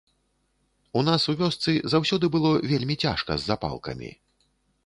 У нас у вёсцы заўсёды было вельмі цяжка з запалкамі.